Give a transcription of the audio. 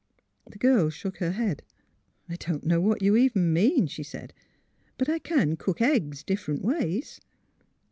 " The girl shook her head. '' I don't know what you mean, even," she said. *' But I can cook eggs different ways."